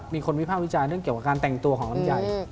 มีคนวิภาควิจัยเรื่องเกี่ยวกับการแต่งตัวของมันใหญ่